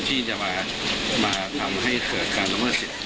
ที่จะมาทำให้เกิดการละเมิดสิทธิ